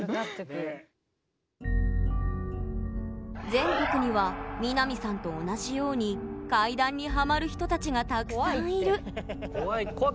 全国には美波さんと同じように怪談にハマる人たちがたくさんいる怖いって。